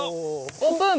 オープン！